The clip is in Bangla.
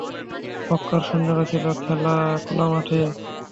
মক্কার সৈন্যরা ছিল খোলামাঠে।